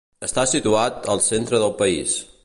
Està situat al centre del país.